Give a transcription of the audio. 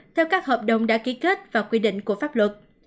theo các hợp đồng đã ký kết và quy định của pháp luật